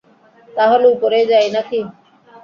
তাহলে উপরেই যাই, নাকি?